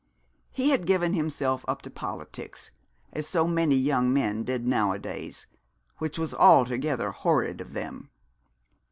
He had given himself up to politics, as so many young men did nowadays, which was altogether horrid of them.